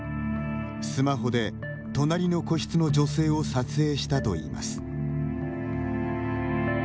スマホで隣の個室の女性を撮影したといいます。